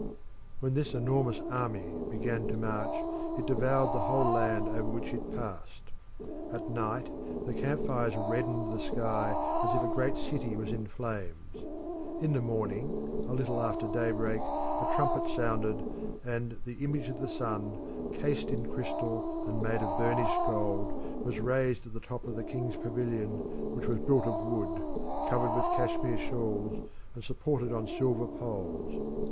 When this enormous army began to march it devoured the whole land over which it passed. At night the camp fires reddened the sky as if a great city was in flames. In the morning, a little after daybreak, a trumpet sounded, and the image of the sun, cased in crystal and made of burnished gold, was raised on the top of the king's pavilion, which was built of wood, covered with cashmere shawls, and supported on silver poles.